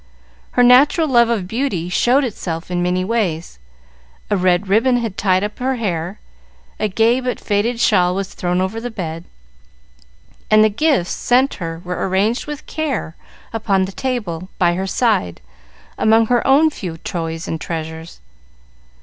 Her natural love of beauty showed itself in many ways: a red ribbon had tied up her hair, a gay but faded shawl was thrown over the bed, and the gifts sent her were arranged with care upon the table by her side among her own few toys and treasures.